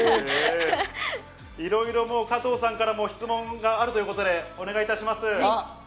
いろいろ加藤さんからも質問があるということで、お願いいたします。